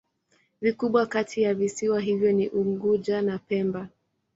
Vikubwa kati ya visiwa hivyo ni Unguja na Pemba.